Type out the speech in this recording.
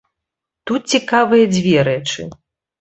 Тут цікавыя дзве рэчы.